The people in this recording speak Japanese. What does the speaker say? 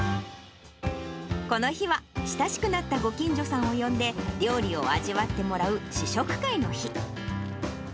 この日は、親しくなったご近所さんを呼んで、料理を味わってもらう試食会の日。